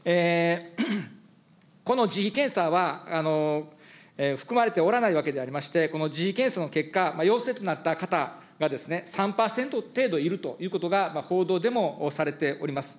この自費検査は含まれておらないわけでありまして、この自費検査の結果、陽性となった方が３％程度いるということが、報道でもされております。